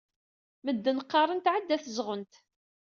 Medden qqaren tɛedda tezɣent.